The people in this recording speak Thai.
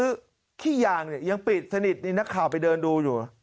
คือขี้ยางเนี่ยยังปิดสนิทนี่นักข่าวไปเดินดูอยู่